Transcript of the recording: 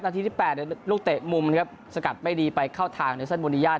นาทีที่๘ลูกเตะมุมนะครับสกัดไม่ดีไปเข้าทางในสั้นบริญญาณ